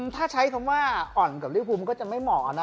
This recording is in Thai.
ถ้าใช้คำว่าอ่อนกับลิฟภูมิมันก็จะไม่เหมาะนะ